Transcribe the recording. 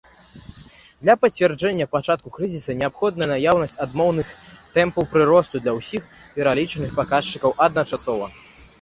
Для пацвярджэння пачатку крызісу неабходна наяўнасць адмоўных тэмпаў прыросту для ўсіх пералічаных паказчыкаў адначасова.